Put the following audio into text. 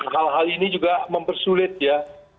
hal hal ini juga mempersulit ya